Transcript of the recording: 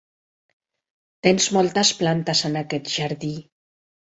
Tens moltes plantes en aquest jardí.